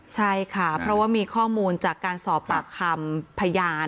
ใช่ค่ะเพราะว่ามีข้อมูลจากการสอบปากคำพยาน